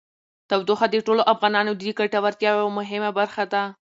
تودوخه د ټولو افغانانو د ګټورتیا یوه مهمه برخه ده.